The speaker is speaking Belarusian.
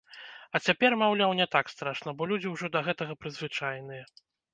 А цяпер, маўляў, не так страшна, бо людзі ўжо да гэтага прызвычаеныя.